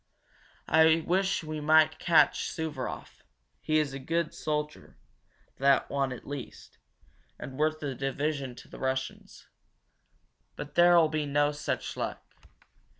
I wish we might catch Suvaroff he is a good soldier, that one at least, and worth a division to the Russians. But there'll be no such luck.